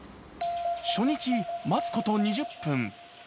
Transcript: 初日、待つこと２０分。